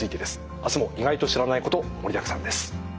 あすも意外と知らないこと盛りだくさんです。